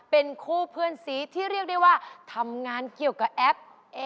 เป็นคู่เพื่อนสีที่เรียกได้ว่าทำงานเกี่ยวกับแอป